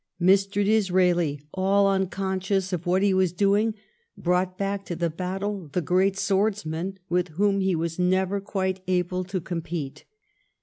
Mr. Disraeli, all unconscious of what he was doing, brought back to the battle the great swordsman with whom he was never quite able to compete.